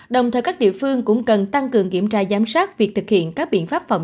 đồng thời các địa phương cũng cần tăng cường kiểm tra giám sát việc thực hiện các biện pháp phòng